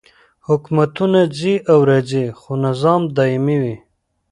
حکومتونه ځي او راځي خو نظام دایمي وي.